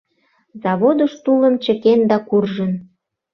Заводыш тулым чыкен да куржын.